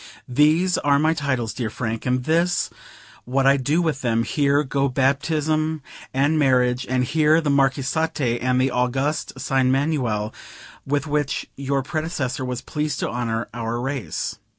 These are my titles, dear Frank, and this what I do with them: here go Baptism and Marriage, and here the Marquisate and the August Sign Manual, with which your predecessor was pleased to honor our race."